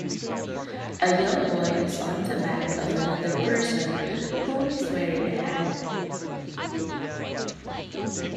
A young boy is on the back of another person whom is wearing a hat.